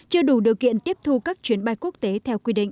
chưa đủ điều kiện tiếp thu các chuyến bay quốc tế theo quy định